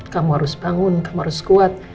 kamu harus bangun kamu harus kuat